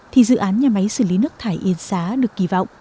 thì dự án nhà máy xử lý nước thải yên xá được kỳ vọng